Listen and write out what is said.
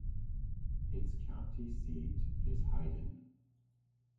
Its county seat is Hyden.